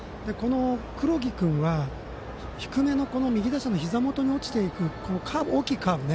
黒木君は右打者のひざ元に落ちていく大きなカーブ